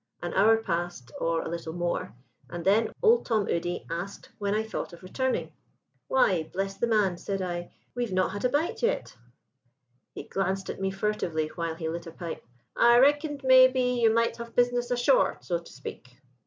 An hour passed, or a little more, and then Old Tom Udy asked when I thought of returning. "'Why, bless the man,' said I, 'we've not had a bite yet!' "He glanced at me furtively while he lit a pipe. 'I reckoned, maybe, you might have business ashore, so to speak.'